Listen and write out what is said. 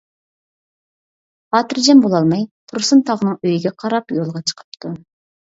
خاتىرجەم بولالماي، تۇرسۇن تاغىنىڭ ئۆيىگە قاراپ يولغا چىقىپتۇ.